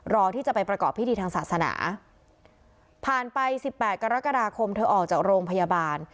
ที่จะไปประกอบพิธีทางศาสนาผ่านไปสิบแปดกรกฎาคมเธอออกจากโรงพยาบาล